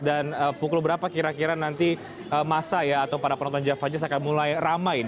dan pukul berapa kira kira nanti masa ya atau para penonton java jazz akan mulai ramai